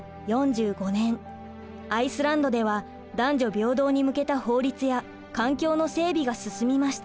アイスランドでは男女平等に向けた法律や環境の整備が進みました。